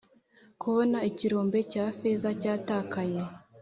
kubona ikirombe cya feza cyatakaye